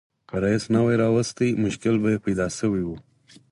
که رییس نه وای راوستي مشکل به یې پیدا شوی و.